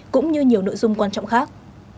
cũng như nhiều nội dung quan trọng khác